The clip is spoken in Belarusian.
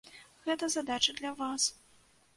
Гэта задача для вас.